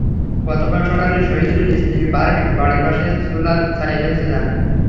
গতকাল সকালে সহিদুলের স্ত্রী পারভিন বাড়ির পাশে চুলার ছাই ফেলতে যান।